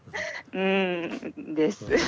うんです。